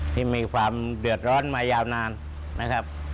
ที่มีความเดือดร้อนมายาวนานนะครับ